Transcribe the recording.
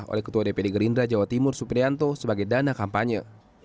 oleh ketua dpd gerindra jawa timur suprianto sebagai dana kampanye